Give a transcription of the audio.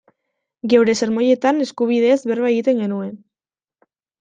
Geure sermoietan eskubideez berba egiten genuen.